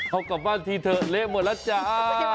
เอากลับบ้านทีเถอะเละหมดแล้วจ้า